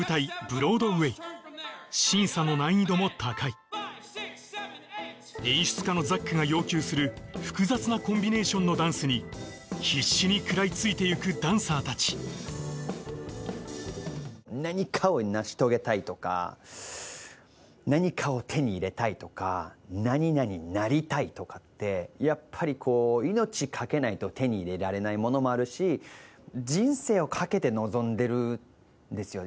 ブロードウェイ審査の難易度も高い演出家のザックが要求する複雑なコンビネーションのダンスに必死にくらいついてゆくダンサーたち何かを成し遂げたいとか何かを手に入れたいとか○○になりたいとかってやっぱりこう命懸けないと手に入れられないものもあるし人生を懸けて臨んでるんですよ